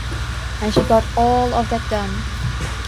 And she got all of that done.